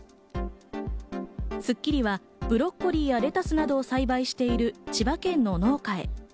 『スッキリ』はブロッコリーやレタスなどを栽培している千葉県の農家へ。